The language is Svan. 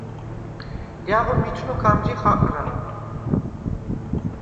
ჲაღო მიჩ ლოქ ამჟი ხაყრა: